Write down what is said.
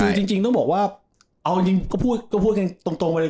คือจริงจริงต้องบอกว่าเอาจริงจริงก็พูดก็พูดแค่ตรงตรงไปเลย